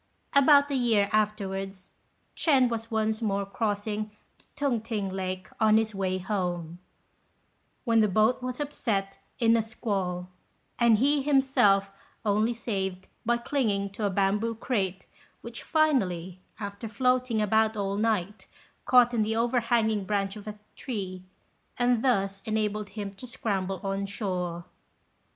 About a year afterwards, Ch'ên was once more crossing the Tung t'ing lake on his way home, when the boat was upset in a squall, and he himself only saved by clinging to a bamboo crate, which finally, after floating about all night, caught in the overhanging branch of a tree, and thus enabled him to scramble on shore.